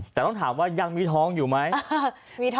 แต่ต้องถามว่ายังมีท้องอยู่ไหม